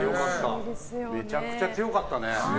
めちゃくちゃ強かったね。